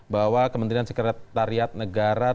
bahwa kementerian sekretariat negara